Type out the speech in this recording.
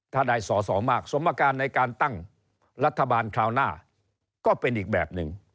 ถ้าได้สอสอมากสมการในการตั้งรัฐบาลคราวหน้าก็เป็นอีกแบบหนึ่ง